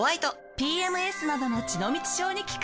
ＰＭＳなどの血の道症に効く。